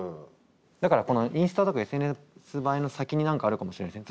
だからこのインスタとかＳＮＳ映えの先に何かあるかもしれないですね。